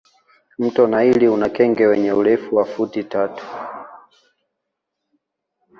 mto naili una kenge wenye urefu wa futi tatu